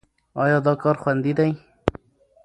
ایا دا کار خوندي دی؟